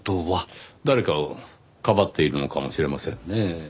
誰かをかばっているのかもしれませんねぇ。